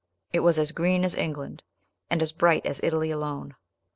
It was as green as England, and bright as Italy alone.